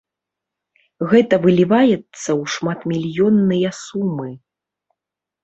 Гэта выліваецца ў шматмільённыя сумы.